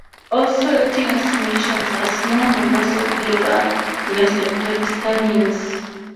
Also acting as merchants are small numbers of Lebanese and Pakistanis.